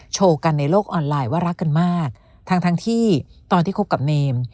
โชว์กันในโลกออนไลน์ว่ารักกันมากทั้งทั้งที่ตอนที่คบกับเนม